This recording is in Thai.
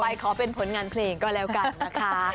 ขอเป็นผลงานเพลงก็แล้วกันนะคะ